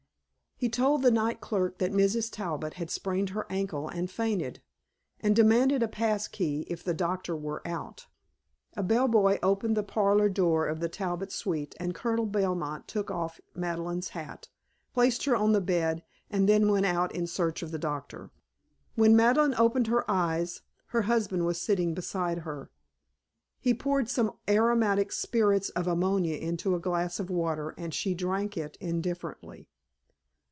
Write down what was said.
He told the night clerk that Mrs. Talbot had sprained her ankle and fainted, and demanded a pass key if the doctor were out. A bell boy opened the parlor door of the Talbot suite and Colonel Belmont took off Madeleine's hat, placed her on the bed, and then went in search of the doctor. When Madeleine opened her eyes her husband was sitting beside her. He poured some aromatic spirits of ammonia into a glass of water and she drank it indifferently.